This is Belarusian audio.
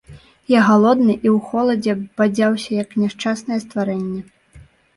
Я галодны i ў холадзе бадзяўся, як няшчаснае стварэнне.